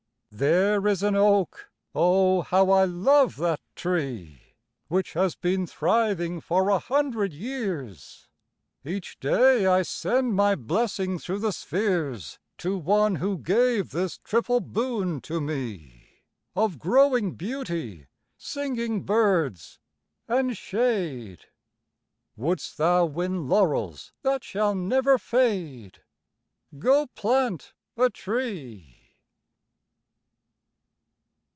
There is an oak (oh! how I love that tree) Which has been thriving for a hundred years; Each day I send my blessing through the spheres To one who gave this triple boon to me, Of growing beauty, singing birds, and shade. Wouldst thou win laurels that shall never fade? Go plant a tree.